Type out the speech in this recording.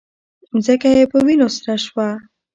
ځمکه یې په وینو سره شوه